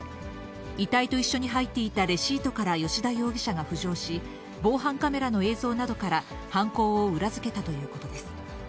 遺体と一緒に入っていたレシートから吉田容疑者が浮上し、防犯カメラの映像などから、犯行を裏付けたということです。